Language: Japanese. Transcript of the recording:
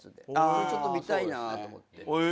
ちょっと見たいなと思って。